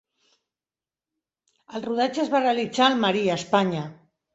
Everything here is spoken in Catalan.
El rodatge es va realitzar a Almeria, Espanya.